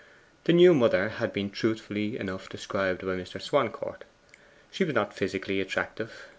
The new mother had been truthfully enough described by Mr. Swancourt. She was not physically attractive.